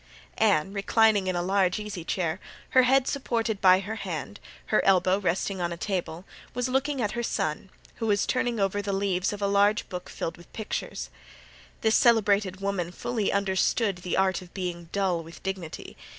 Anne, reclining in a large easy chair, her head supported by her hand, her elbow resting on a table, was looking at her son, who was turning over the leaves of a large book filled with pictures. This celebrated woman fully understood the art of being dull with dignity.